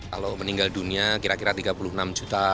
kalau meninggal dunia kira kira tiga puluh enam juta